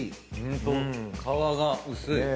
皮が薄い。